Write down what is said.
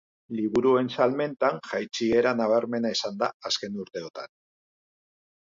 Liburuen salmentan jaitsiera nabarmena izan da azken urteotan.